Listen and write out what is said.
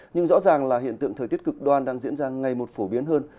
nhưng rõ ràng là hiện tượng thời tiết cực đoan đang diễn ra ngày một phổ biến hơn